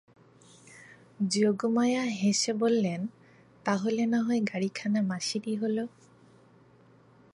যোগমায়া হেসে বললেন, তা হলে নাহয় গাড়িখানা মাসিরই হল।